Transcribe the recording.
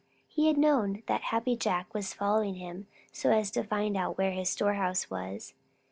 He had known that Happy Jack was following him so as to find out where his storehouse was.